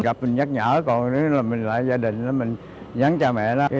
gặp mình nhắc nhở còn mình lại gia đình mình nhắn cha mẹ đó